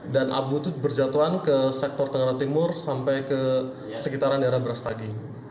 dan abu itu berjatuhan ke sektor tenggara timur sampai ke sekitaran daerah brastagi